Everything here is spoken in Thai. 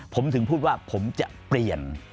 ผมถึงพูดว่าผมจะเปลี่ยน